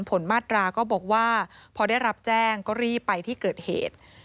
ผลมาตราก็บอกว่าพอได้รับแจ้งก็รีบไปที่เกิดเหตุ